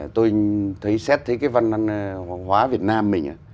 tôi xét thấy văn hóa việt nam mình